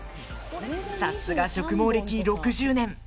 さすが植毛歴６０年。